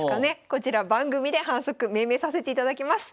こちら番組で反則命名させていただます。